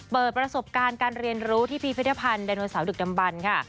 เปิดประสบการณ์การเรียนรู้ที่พีเพศพันธ์ดังโนสาวดึกดำบันค่ะ